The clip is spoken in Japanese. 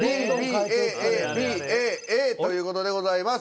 ＢＢＡＡＢＡＡという事でございます。